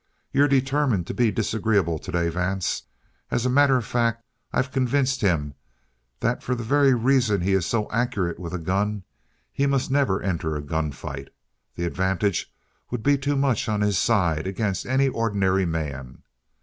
"You're determined to be disagreeable today, Vance. As a matter of fact, I've convinced him that for the very reason he is so accurate with a gun he must never enter a gun fight. The advantage would be too much on his side against any ordinary man.